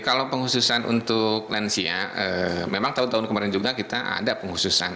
kalau pengkhususan untuk lansia memang tahun tahun kemarin juga kita ada penghususan